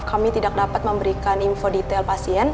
kami tidak dapat memberikan info detail pasien